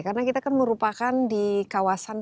karena kita kan merupakan di kawasan pantai